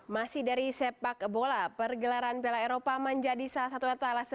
masih dari sepak bola pergelaran piala eropa menjadi salah satu etalase